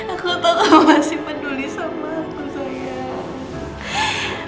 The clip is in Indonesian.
aku tau kamu masih peduli sama aku sayang